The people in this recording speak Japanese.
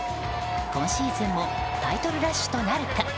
今シーズンもタイトルラッシュとなるか。